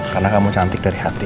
karena kamu cantik dari hati